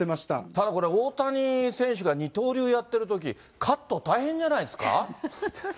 ただこれ、大谷選手が二刀流やってるとき、カット大変じゃないですか。